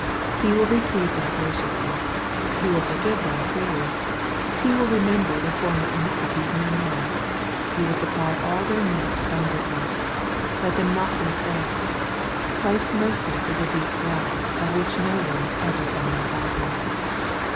He will receive them graciously. He will forgive them freely. He will remember their former iniquities no more. He will supply all their need abundantly. Let them not be afraid. Christ's mercy is a deep well, of which no one ever found the bottom.